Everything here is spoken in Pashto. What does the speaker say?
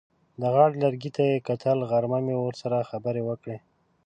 د غاړې لرګي ته یې کتل: غرمه مې ورسره خبرې وکړې.